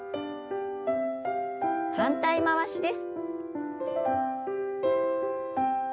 反対回しです。